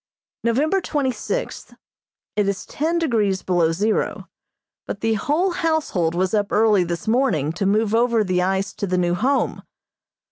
November twenty sixth: It is ten degrees below zero, but the whole household was up early this morning to move over the ice to the new Home.